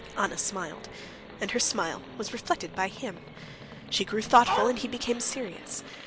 Anna smiled, and her smile was reflected by him. She grew thoughtful, and he became serious.